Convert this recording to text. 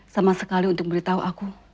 sama sekali untuk beritahu aku